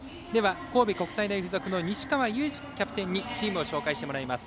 神戸国際大付属の西川侑志キャプテンにチームを紹介してもらいます。